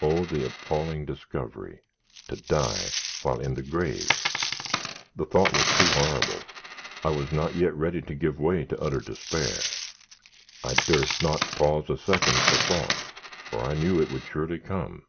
Oh, the appalling discovery! To die while in the grave! The thought was too horrible! I was not yet ready to give way to utter despair. I durst not pause a second for thought, for I knew it would surely come.